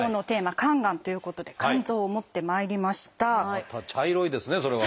また茶色いですねそれは。